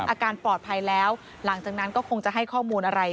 อาการปลอดภัยแล้วหลังจากนั้นก็คงจะให้ข้อมูลอะไร